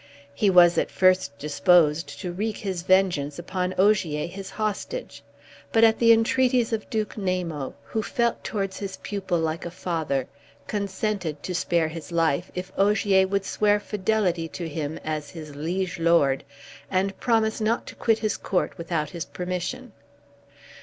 He was at first disposed to wreak his vengeance upon Ogier, his hostage; but at the entreaties of Duke Namo, who felt towards his pupil like a father, consented to spare his life, if Ogier would swear fidelity to him as his liege lord, and promise not to quit his court without his permission.